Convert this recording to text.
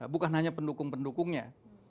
bukan hanya pendukung pendukungnya